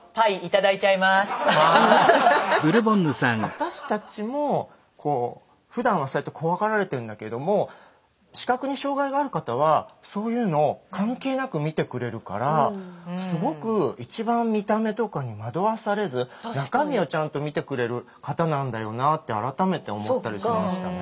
私たちもふだんはそうやって怖がられてるんだけれども視覚に障害がある方はそういうの関係なく見てくれるからすごく一番見た目とかに惑わされず中身をちゃんと見てくれる方なんだよなって改めて思ったりしましたね。